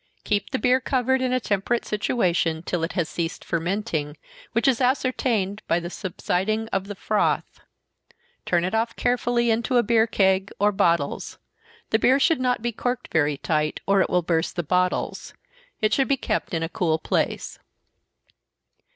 Keep the beer covered in a temperate situation, till it has ceased fermenting, which is ascertained by the subsiding of the froth turn it off carefully into a beer keg, or bottles. The beer should not be corked very tight, or it will burst the bottles. It should be kept in a cool place.